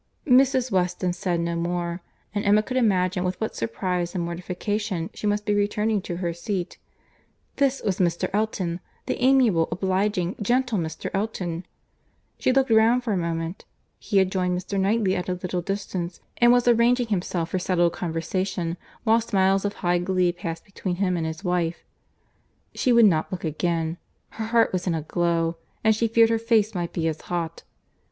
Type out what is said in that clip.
Mrs. Weston said no more; and Emma could imagine with what surprize and mortification she must be returning to her seat. This was Mr. Elton! the amiable, obliging, gentle Mr. Elton.—She looked round for a moment; he had joined Mr. Knightley at a little distance, and was arranging himself for settled conversation, while smiles of high glee passed between him and his wife. She would not look again. Her heart was in a glow, and she feared her face might be as hot.